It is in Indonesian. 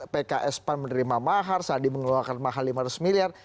pks pan menerima mahar sandi mengeluarkan mahal lima ratus miliar